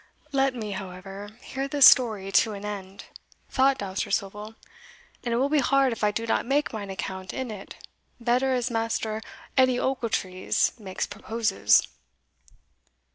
"Let me, however, hear this story to an end," thought Dousterswivel, "and it will be hard if I do not make mine account in it better as Maister Edie Ochiltrees makes proposes."